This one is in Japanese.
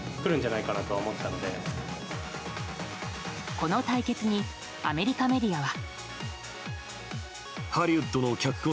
この対決にアメリカメディアは。